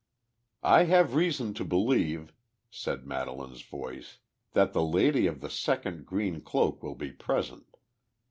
"I have reason to believe," said Madelaine's voice, "that the lady of the second green cloak will be present.